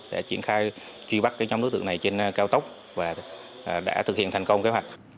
để triển khai truy bắt cái nhóm đối tượng này trên cao tốc và đã thực hiện thành công kế hoạch